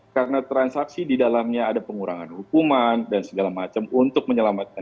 karena transaksi di dalamnya ada pengurangan hukuman dan segala macam untuk menyelamatkan